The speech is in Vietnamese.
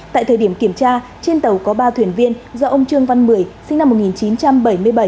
tại thời điểm kiểm tra trên tàu có ba thuyền viên do ông trương văn mười sinh năm một nghìn chín trăm bảy mươi bảy